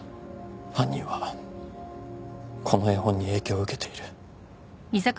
犯人はこの絵本に影響を受けている。